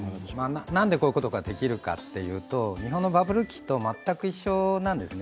なんでこういうことができるかというと、日本のバブル期と全く一緒なんですね。